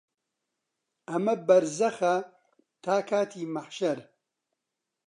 ئەمە بەرزەخە تا کاتی مەحشەر